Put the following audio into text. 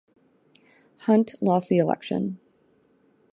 Hunt lost the election.